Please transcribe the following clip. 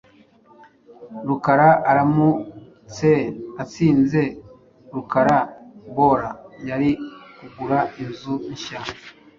Rukara aramutse atsinze rukara bola, yari kugura inzu nshya.